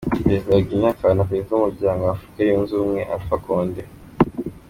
Perezida wa Guinea akaba na Perezida w’Umuryango wa Afurika Yunze Ubumwe, Alpha Conde.